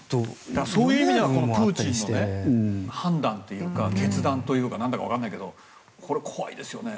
そういう意味ではプーチンの判断というか決断というかなんだかわからないけど怖いですね。